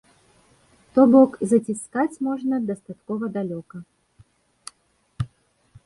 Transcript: То бок, заціскаць можна дастаткова далёка.